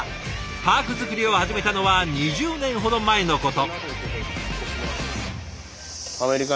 パーク作りを始めたのは２０年ほど前のこと。